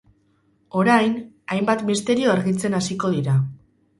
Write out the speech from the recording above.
Orain, hainbat misterio argitzen hasiko dira.